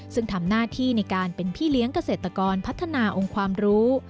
ซึ่งทำหน้าที่ในการเป็นพี่เลี้ยงเกษตรกรพัฒนาองค์ความรู้